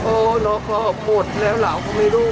โอ้น้องพ่อโปรดแล้วเหรอก็ไม่รู้